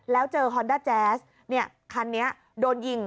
แล้วเจอฮอนด้าแจ๊สคันนี้โดนยิง